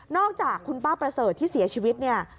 อกจากคุณป้าประเสริฐที่เสียชีวิตเนี่ย